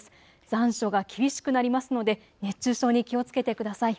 残暑が厳しくなりますので熱中症に気をつけてください。